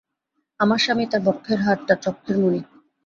আমার স্বামী তাঁর বক্ষের হার, তাঁর চক্ষের মণি।